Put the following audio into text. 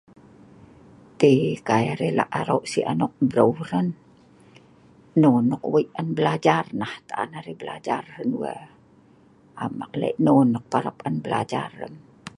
Ti Kai arai la arok Si anok Breu hran. Non nok Wei on BELAJAR, nah tah on arai BELAJAR.am eek le non la on BELAJAR.